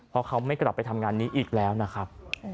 เพราะเขาไม่กลับไปทำงานนี้อีกแล้วนะครับ